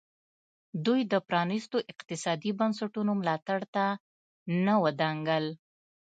دوی د پرانیستو اقتصادي بنسټونو ملاتړ ته نه ودانګل.